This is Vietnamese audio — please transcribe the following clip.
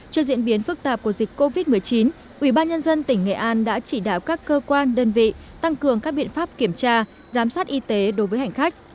trước diễn biến phức tạp của dịch covid một mươi chín ubnd tỉnh nghệ an đã chỉ đạo các cơ quan đơn vị tăng cường các biện pháp kiểm tra giám sát y tế đối với hành khách